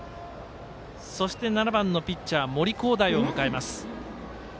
そして、７番のピッチャー森煌誠を迎えます。